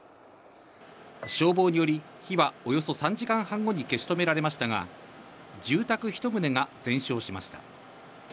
消防により火はおよそ３時間半後に消し止められましたが、住宅１棟が全焼しました。